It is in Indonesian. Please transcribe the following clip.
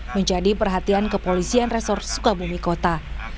menjadi perhatian kepolisian resor sukabumi kota